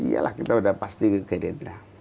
iya lah kita sudah pasti ke gerindra